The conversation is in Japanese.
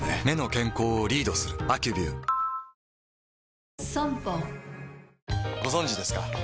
目の健康をリードする「アキュビュー」ご存知ですか？